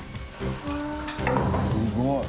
すごい。